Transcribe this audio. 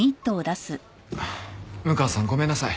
六川さんごめんなさい。